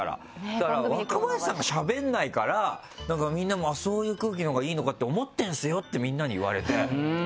だから「若林さんがしゃべんないからみんなもそういう空気のほうがいいのかって思ってるんですよ」ってみんなに言われて。